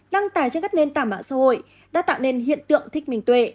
đăng tải trên các nền tảng mạng xã hội đã tạo nên hiện tượng thích mình tuệ